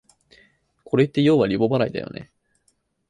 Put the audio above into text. これってようはリボ払いだよね